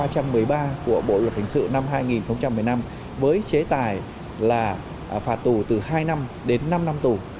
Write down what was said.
điều hai trăm một mươi ba của bộ luật hình sự năm hai nghìn một mươi năm với chế tài là phạt tù từ hai năm đến năm năm tù